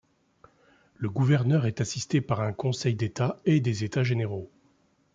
Le gouverneur est assisté par un Conseil d'État et des états généraux.